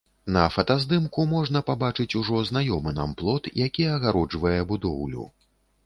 На фатаздымку можна пабачыць ужо знаёмы нам плот, які агароджвае будоўлю.